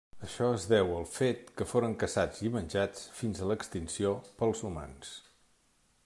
Això es deu al fet que foren caçats i menjats fins a l'extinció pels humans.